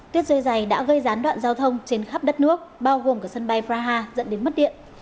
tuyết rơi dày đã gây gián đoạn giao thông trên khắp đất nước bao gồm cả sân bay praha dẫn đến mất điện